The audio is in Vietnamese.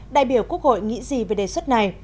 đại biểu quốc hội nghĩ gì về đề xuất này